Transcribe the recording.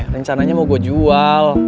rencananya mau gue jual